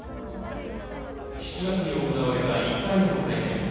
７月に行われた１回目の会見。